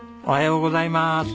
おはようございまーす。